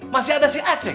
masih ada si acek